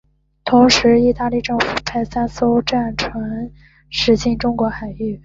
同时意大利政府派三艘战舰驶进中国海域。